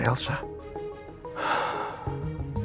mengingin cari elsa